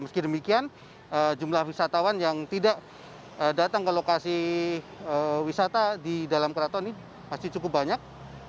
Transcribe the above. meski demikian jumlah wisatawan yang tidak datang ke lokasi wisata di dalam keraton ini masih cukup banyak